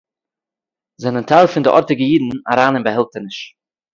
זענען טייל פון די אָרטיגע אידן אַריין אין באַהעלטעניש